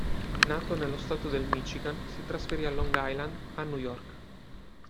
Nato nello stato di Michigan, si trasferì a Long Island a New York.